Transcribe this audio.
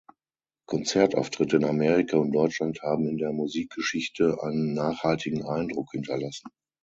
Konzertauftritte in Amerika und Deutschland haben in der Musikgeschichte einen nachhaltigen Eindruck hinterlassen.